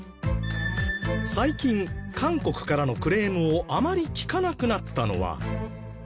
最近韓国からのクレームをあまり聞かなくなったのは。